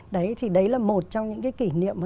đấy thì đấy là một trong những cái kỷ niệm